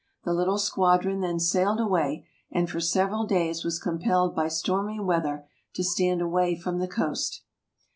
The little squadron then sailed away, and for several days was com pelled by stormy weather to stand away from the coast.